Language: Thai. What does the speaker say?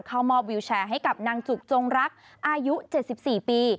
เข้ามอบวิวแชร์ให้กับนางจุกจงรักอายุ๗๔ปี